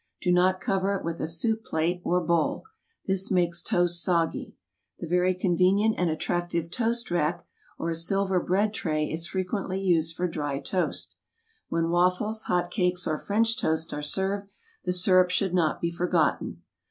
Do not cover it with a soup plate or bowl. This makes toast soggy. The very con venient and attractive toast rack or a silver bread tray is frequently used for dry toast. When waffles, hot cakes, or French toast are served, the syrup should not be forgotten.